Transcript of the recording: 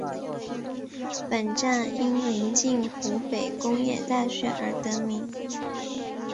本站因临近湖北工业大学而得名。